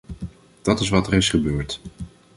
Dat is wat er is gebeurd.